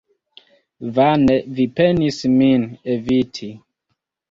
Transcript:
Vane vi penis min eviti!